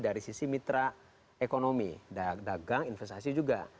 dari sisi mitra ekonomi dagang investasi juga